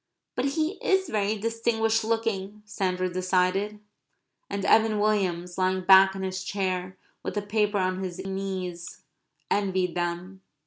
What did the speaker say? "But he is very distinguished looking," Sandra decided. And Evan Williams, lying back in his chair with the paper on his knees, envied them.